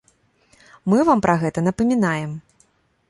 Мы вам пра гэта напамінаем.